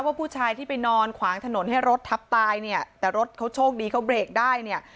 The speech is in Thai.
ผู้ชายที่ไปนอนขวางถนนให้รถทับตายเนี่ยแต่รถเขาโชคดีเขาเบรกได้เนี่ย